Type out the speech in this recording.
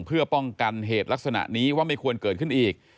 เพื่อป้องกันเหตุลักษณะนี้ว่าไม่ควรเกิดขึ้นอีก